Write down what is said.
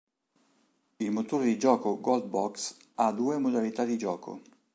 Il motore di gioco "Gold Box" ha due modalità di gioco.